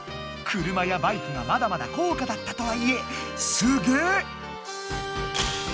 車やバイクがまだまだ高価だったとはいえすげ！